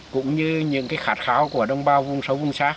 cũng như những khát khao của đông bao vùng xấu vùng xác